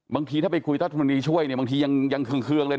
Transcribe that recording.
บางทีถ้าไปคุยรัฐมนตรีช่วยเนี่ยบางทียังเคืองเลย